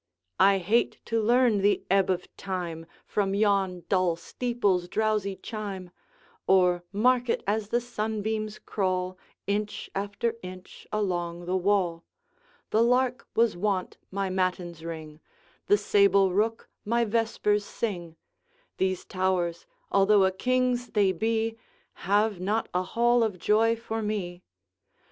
I hate to learn the ebb of time From yon dull steeple's drowsy chime, Or mark it as the sunbeams crawl, Inch after inch, along the wall. The lark was wont my matins ring, The sable rook my vespers sing; These towers, although a king's they be, Have not a hall of joy for me.